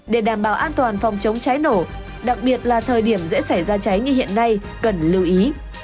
để đảm bảo an toàn phòng chống cháy nổ đặc biệt là thời điểm dễ xảy ra cháy như hiện nay cần lưu ý